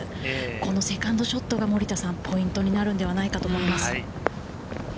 このセカンドショットが森田さん、ポイントになるんではないかと思います。